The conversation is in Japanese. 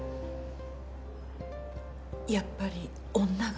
やっぱり女が？